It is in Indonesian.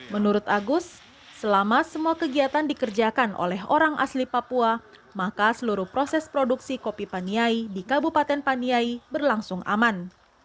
menurut agus selama semua kegiatan dikerjakan oleh orang asli papua maka seluruh proses produksi kopi paniai di kabupaten paniai berlangsung aman